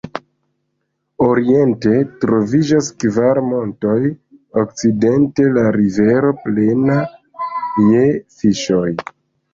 Oriente troviĝas kvar montoj, okcidente la rivero plena je fiŝoj.